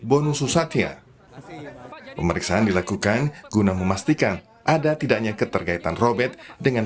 penuh susahnya pemeriksaan dilakukan guna memastikan ada tidaknya keterkaitan robet dengan